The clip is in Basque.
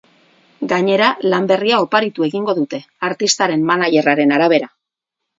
Gainera, lan berria oparitu egingo dute, artistaren managerraren arabera.